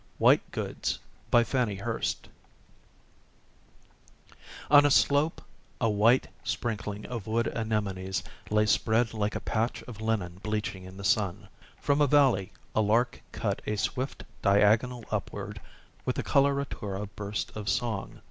WHITE GOODS On a slope a white sprinkling of wood anemones lay spread like a patch of linen bleaching in the sun. From a valley a lark cut a swift diagonal upward with a coloratura burst of song.